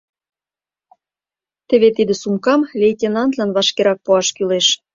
Теве тиде сумкам лейтенантлан вашкерак пуаш кӱлеш.